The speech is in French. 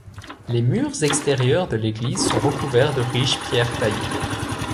Les murs extérieurs de l'église sont recouverts de riches pierres taillées.